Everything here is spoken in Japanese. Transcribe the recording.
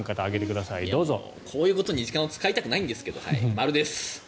こういうことに時間を使いたくないんですけど○です。